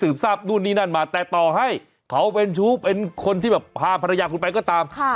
ทราบนู่นนี่นั่นมาแต่ต่อให้เขาเป็นชู้เป็นคนที่แบบพาภรรยาคุณไปก็ตาม